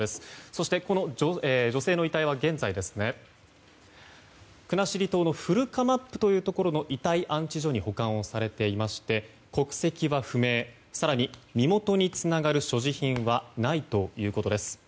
そして、この女性の遺体は現在国後島の古釜布というところの遺体安置所に保管されていまして国籍は不明更に身元につながる所持品はないということです。